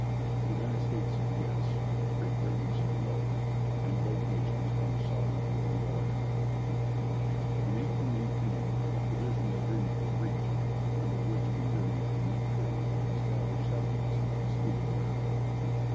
The United States said Yes; Great Britain said No; and both nations claimed sovereignty over Oregon. In 1818 a provisional agreement was reached, under which either nation might trade and establish settlements in the disputed territory.